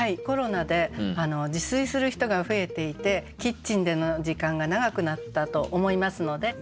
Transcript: コロナで自炊する人が増えていてキッチンでの時間が長くなったと思いますので。